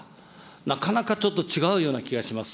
なかなかちょっと違うような気がします。